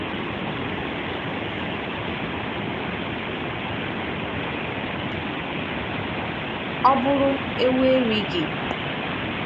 ọ bụrụ 'ewu erighị